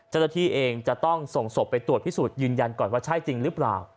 เจ้าหน้าที่เองจะต้องส่งศพไปตรวจพิสูจน์ยืนยันก่อนว่าใช่จริงหรือเปล่า